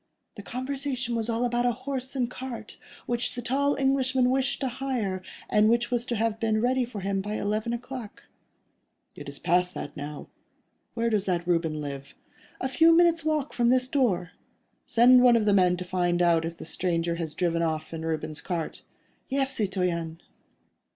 "The conversation was all about a horse and cart, which the tall Englishman wished to hire, and which was to have been ready for him by eleven o'clock." "It is past that now. Where does that Reuben live?" "A few minutes' walk from this door." "Send one of the men to find out if the stranger has driven off in Reuben's cart." "Yes, citoyen."